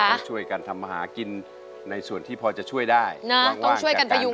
ต้องช่วยกันทำมาหากินในส่วนที่พอจะช่วยได้ว่างจากการเรียน